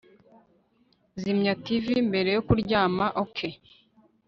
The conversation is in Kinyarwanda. Zimya TV mbere yo kuryama OK